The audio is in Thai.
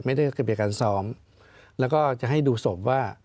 ไม่ได้จะมีการซ้อมแล้วก็จะให้ดูศพว่า